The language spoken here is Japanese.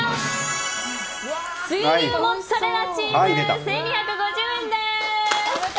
水牛モッツァレッラチーズ１２５０円です。